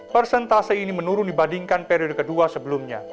persentase ini menurun dibandingkan periode kedua sebelumnya